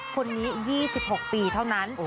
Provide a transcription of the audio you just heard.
คนนี้๒๖ปีเท่านั้น